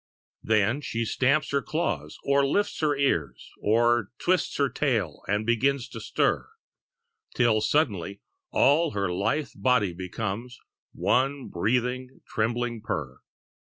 Then she stamps her claws or lifts her ears, Or twists her tail and begins to stir, Till suddenly all her lithe body becomes One breathing, trembling purr.